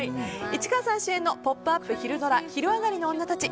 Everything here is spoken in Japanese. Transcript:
市川さん主演の「ポップＵＰ！」昼ドラ「昼上がりのオンナたち」